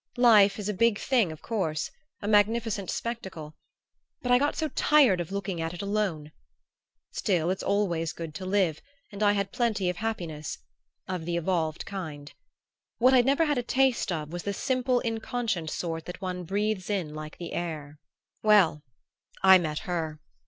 Life is a big thing, of course; a magnificent spectacle; but I got so tired of looking at it alone! Still, it's always good to live, and I had plenty of happiness of the evolved kind. What I'd never had a taste of was the simple inconscient sort that one breathes in like the air.... "Well I met her.